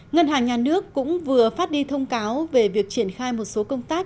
ngân hàng nhà nước cũng vừa phát đi thông cáo về việc triển khai một số công tác